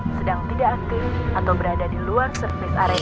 sedang tidak aktif atau berada di luar servis area